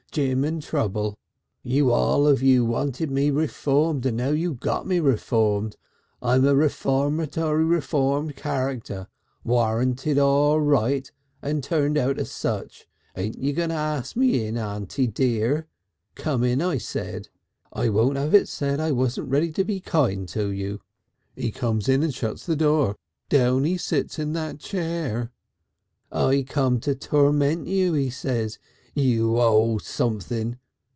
Jim and trouble. You all of you wanted me Reformed and now you got me Reformed. I'm a Reformatory Reformed Character, warranted all right and turned out as such. Ain't you going to ask me in, Aunty dear?' "'Come in,' I said, 'I won't have it said I wasn't ready to be kind to you!' "He comes in and shuts the door. Down he sits in that chair. 'I come to torment you!' he says, 'you Old Sumpthing!'